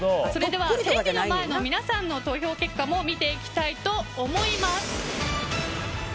それでは、テレビの前の皆さんの投票結果も見ていきたいと思います。